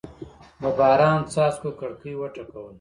د باران څاڅکو کړکۍ وټکوله.